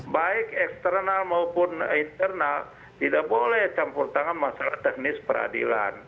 baik eksternal maupun internal tidak boleh campur tangan masalah teknis peradilan